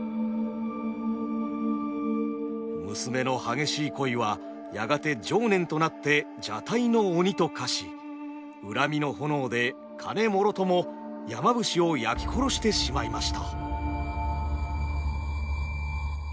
娘の激しい恋はやがて情念となって蛇体の鬼と化し恨みの炎で鐘もろとも山伏を焼き殺してしまいました。